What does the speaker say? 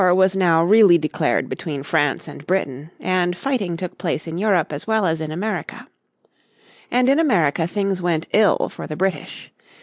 War was now really declared between France and Britain and fighting took place in Europe as well as in America. And in America things went ill for the British.